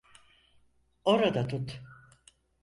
Orada tut.